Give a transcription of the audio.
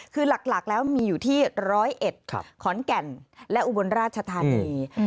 คือหลักแล้วมีอยู่ที่๑๐๑ขอนแก่นและอุบลราชธานี